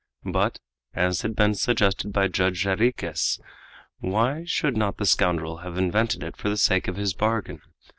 But, as had been suggested by Judge Jarriquez, why should not the scoundrel have invented it for the sake of his bargain?